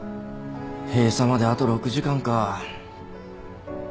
閉鎖まであと６時間か。